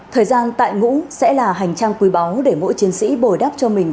thời gian tại ngũ sẽ là hành trang quý báu để mỗi chiến sĩ bồi đắp cho mình